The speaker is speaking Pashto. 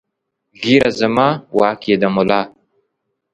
ږېره زما واک ېې د ملا